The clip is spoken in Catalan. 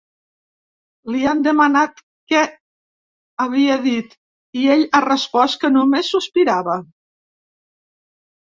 Li han demanat què havia dit i ell ha respost que només sospirava.